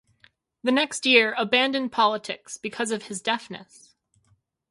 The next year abandoned politics because of his deafness.